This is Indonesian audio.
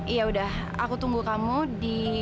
yaudah aku tunggu kamu di